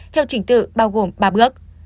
theo trình tự bao gồm ba bước